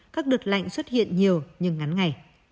các đợt lạnh xuất hiện nhiều nhưng ngắn ngày